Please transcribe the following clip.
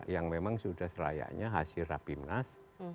yang memang sudah selayaknya hasil rapimnas